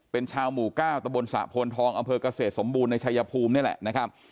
เป็นชาวหมู่๙ตะบนสะโพนทองอำเภอกเกษตรสมบูรณ์ในชายภูมินี่แหละนะครับ